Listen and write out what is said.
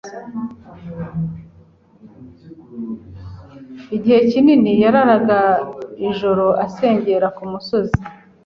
Igihe kinini yararaga ijoro asengera ku musozi.